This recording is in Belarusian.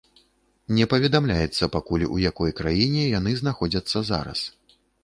Не паведамляецца пакуль, у якой краіне яны знаходзяцца зараз.